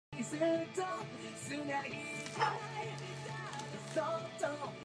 Aladdin eventually brought out their own solution as well, StuffIt SpaceSaver.